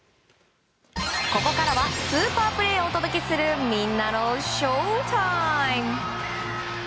ここからはスーパープレーをお届けするみんなのＳＨＯＷＴＩＭＥ！